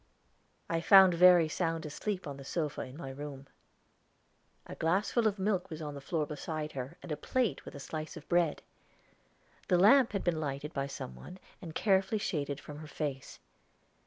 I found Verry sound asleep on the sofa in my room. A glass full of milk was on the floor beside her, and a plate with a slice of bread. The lamp had been lighted by some one, and carefully shaded from her face.